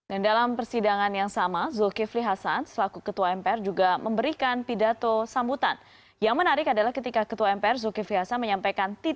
ini adalah modal terbesar dan terkuat yang harus kita miliki